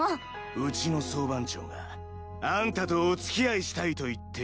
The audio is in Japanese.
うちの総番長があんたとお付き合いしたいと言っている。